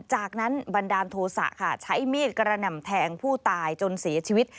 จากนั้นบันดาลโทษะค่ะใช้มีดกระหน่ำแทงผู้ตายจนเสียชีวิต